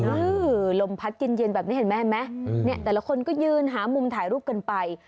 ลมพัดกินเย็นแบบนี้เห็นไหมเนี่ยแต่ละคนก็ยืนหามุมถ่ายรูปกันไป